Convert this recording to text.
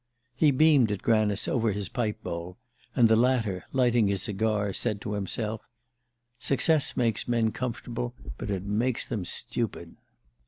He beamed at Granice over his pipe bowl, and the latter, lighting his cigar, said to himself: "Success makes men comfortable, but it makes them stupid."